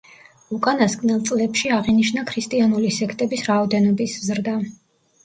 უკანასკნელ წლებში აღინიშნა ქრისტიანული სექტების რაოდენობის ზრდა.